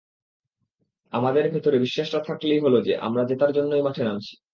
আমাদের ভেতরে বিশ্বাসটা থাকলেই হলো যে, আমরা জেতার জন্যই মাঠে নামছি।